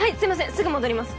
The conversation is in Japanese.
すぐ戻ります。